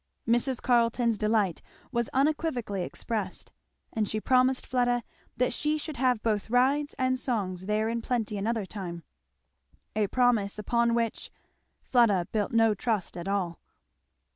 Mrs. Carleton's delight was unequivocally expressed; and she promised Fleda that she should have both rides and songs there in plenty another time; a promise upon which Fleda built no trust at all.